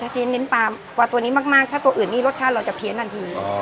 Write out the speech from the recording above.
ที่เน้นปลาตัวนี้มากถ้าตัวอื่นนี่รสชาติเราจะเพี้ยนทันที